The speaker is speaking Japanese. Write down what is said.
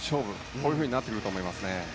こういうふうになってくると思いますね。